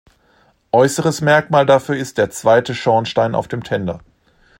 Äußeres Merkmal dafür ist der zweite Schornstein auf dem Tender.